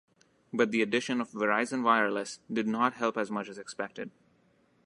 But the addition of Verizon Wireless did not help as much as expected.